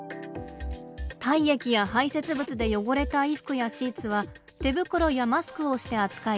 体液や排せつ物で汚れた衣服やシーツは手袋やマスクをして扱い